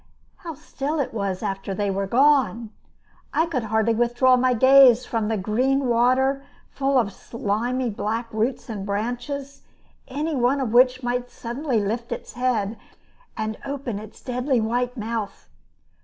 How still it was after they were gone! I could hardly withdraw my gaze from the green water full of slimy black roots and branches, any one of which might suddenly lift its head and open its deadly white mouth!